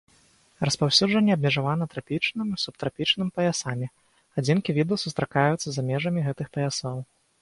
Распаўсюджанне абмежавана трапічным і субтрапічным паясамі, адзінкі відаў сустракаюцца за межамі гэтых паясоў.